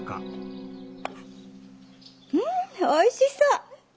うんおいしそう！